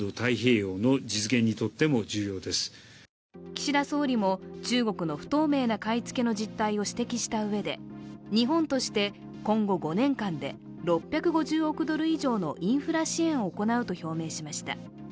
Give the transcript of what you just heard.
岸田総理も中国の不透明な買い付けの実態を指摘したうえで日本として今後５年間で６５０億ドル以上のインフラ支援を行うと表明しました。